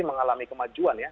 mengalami kemajuan ya